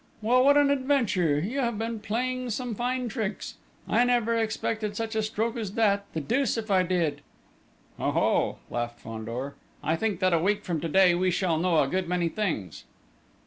"Well, what an adventure! You have been playing some fine tricks! I never expected such a stroke as that, the deuce if I did!" "Ho, ho!" laughed Fandor, "I think that a week from to day we shall know a good many things!"